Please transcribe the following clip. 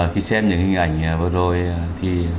khi xem những hình ảnh vừa rồi